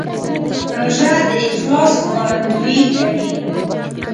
روژه د اخلاص ښکارندویي کوي.